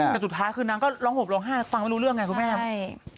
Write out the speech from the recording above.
แต่สุดท้ายนางก็ร้องหกร้องห้าฟังได้รู้เรื่องไงครับพี่แม่